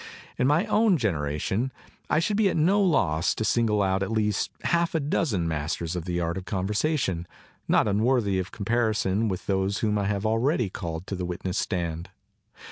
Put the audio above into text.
In my own generation I should be at no loss to single out at least half a dozen masters of the art of conversation, not unworthy of comparison with those whom I have already called to the witness stand.